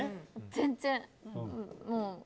全然。